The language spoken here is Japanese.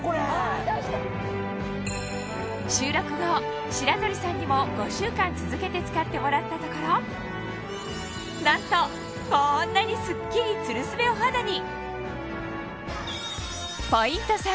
収録後白鳥さんにも５週間続けて使ってもらったところなんとこんなにスッキリツルスベお肌に！